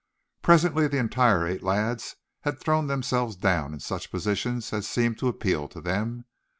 Presently the entire eight lads had thrown themselves down in such positions as seemed to appeal to them.